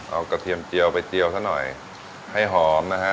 เอากระเทียมเจียวไปเจียวซะหน่อยให้หอมนะฮะ